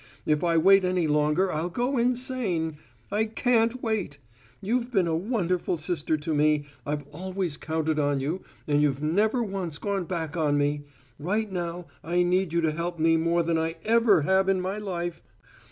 If I wait any longer I'll go insane. I can'T wait! You've been a wonderful sister to me; I've always counted on you, and you've never once gone back on me. Right now, I need you to help me more than I ever have in my life.